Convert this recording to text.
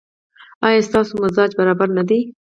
ایا ستاسو مزاج برابر نه دی؟